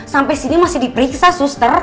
sampai sini masih diperiksa suster